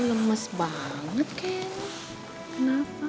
lemes banget kayaknya